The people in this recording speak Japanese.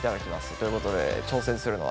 ということで挑戦するのは慎太郎！